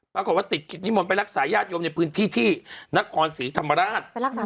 พระกอบวัตติกฤทธิ์นิมนต์ไปรักษายาดโยมในพื้นที่นครศรีธรรมราช